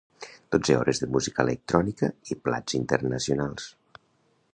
Dotze hores de música electrònica i plats internacionals.